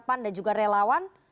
pan dan juga relawan